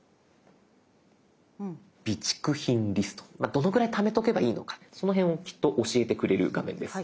どのくらいためとけばいいのかその辺をきっと教えてくれる画面です。